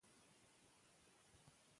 ورزش د سرطان د خطر کمولو سبب دی.